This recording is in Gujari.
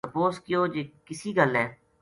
تپوس کیو جے کِسی گل ہے